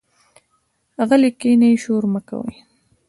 غلي کېنئ، شور مۀ کوئ.